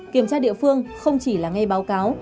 kiểm tra địa phương không chỉ là ngay báo cáo